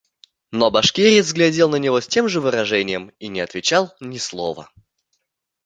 Но башкирец глядел на него с тем же выражением и не отвечал ни слова.